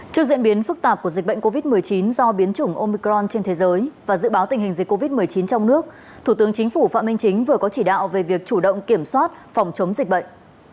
trước diễn biến phức tạp của dịch bệnh covid một mươi chín do biến chủng omicron trên thế giới và dự báo tình hình dịch covid một mươi chín trong nước thủ tướng chính phủ phạm minh chính vừa có chỉ đạo về việc chủ động kiểm soát phòng chống dịch bệnh